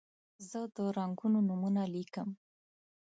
زه د رنګونو نومونه لیکم.